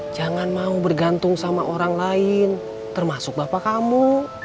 jangan mau bergantung sama orang lain termasuk bapak kamu